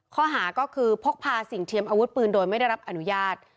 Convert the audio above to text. ข้อหาก็คือพกพาสิ่งเทียมอาวุธปืนโดยไม่ได้รับอนุญาต